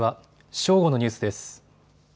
正午のニュースです。